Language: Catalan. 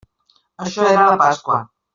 Això era la Pasqua.